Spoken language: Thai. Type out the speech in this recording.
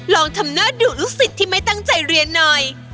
ลองทำหน้าดุลูกศิษย์ที่ไม่ตั้งใจเรียนหน่อย